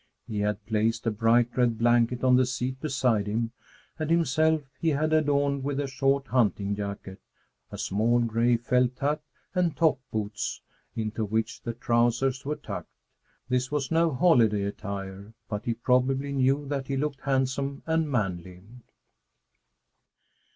He had placed a bright red blanket on the seat beside him, and himself he had adorned with a short hunting jacket, a small gray felt hat, and top boots, into which the trousers were tucked. This was no holiday attire, but he probably knew that he looked handsome and manly.